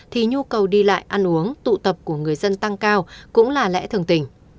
thì nhu cầu đi lại ăn uống tụ tập của người dân tăng cao cũng là lẽ thường tình